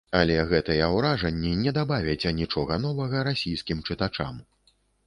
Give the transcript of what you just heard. Але гэтыя ўражанні не дабавяць анічога новага расійскім чытачам.